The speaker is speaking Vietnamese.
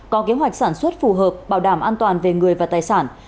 có kế hoạch sản xuất phù hợp bảo đảm an toàn về người và tài sản